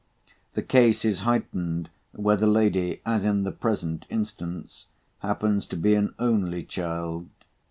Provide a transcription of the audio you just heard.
The case is heightened where the lady, as in the present instance, happens to be an only child.